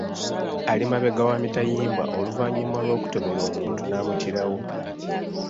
Ali mabega wa mitayimbwa oluvannyuma lw’okutomera omuntu n’amuttirawo.